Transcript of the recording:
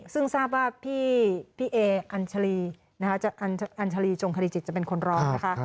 ซึ่งทราบว่าพี่เออัญชาลีจงคดีจิตจะเป็นคนร้องนะคะ